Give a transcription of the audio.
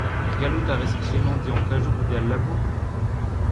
Gallout a rez prenañ diankajoù goude al labour ?